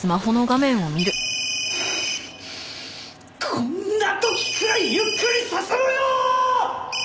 こんな時くらいゆっくりさせろよぉーっ！